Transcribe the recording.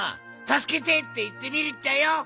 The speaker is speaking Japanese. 「たすけて！」っていってみるっちゃよ。